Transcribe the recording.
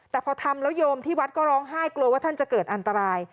แต่พอทำแล้วโยมที่วัดก็ร้องไห้กลัวว่าท่านจะเกิดอันตราย